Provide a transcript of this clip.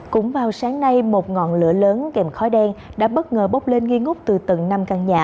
cũng vào sáng nay một ngọn lửa lớn kèm khói đen đã bất ngờ bốc lên nghi ngút từ tầng năm căn nhà